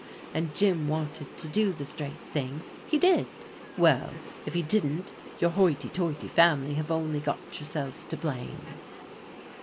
And Jim wanted to do the straight thing, he did. Well, if he didn't, your hoity toity family have only got yourselves to blame."